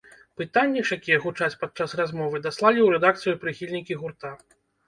Пытанні ж, якія гучаць падчас размовы, даслалі ў рэдакцыю прыхільнікі гурта.